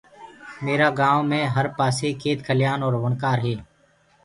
ميرآ گائونٚ مي هر پآسي کيت کليآن اور وڻڪآر هي۔